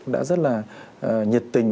đã rất là nhiệt tình